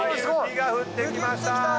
雪が降ってきました！